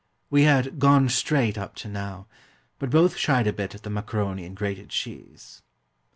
We had "gone straight" up to now, but both shied a bit at the maccaroni and grated cheese.